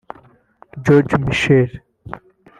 George Michael